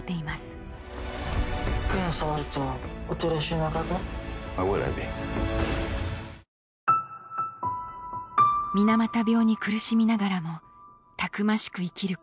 水俣病に苦しみながらもたくましく生きる患者たち。